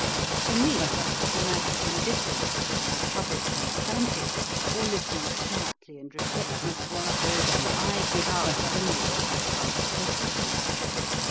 To me it is a matter of indifference whether the public goes frantic or listens quietly and reflectively, for I give out only what I have undertaken to.